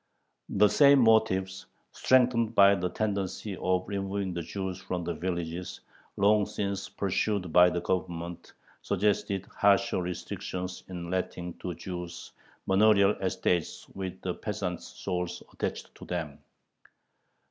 The same motives, strengthened by the tendency of removing the Jews from the villages, long since pursued by the Government, suggested harsher restrictions in letting to Jews manorial estates with the peasant "souls" attached to them.